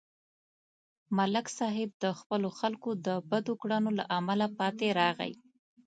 ملک صاحب د خپلو خلکو د بدو کړنو له امله پاتې راغی